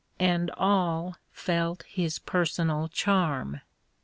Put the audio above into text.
And aU felt his personal charm.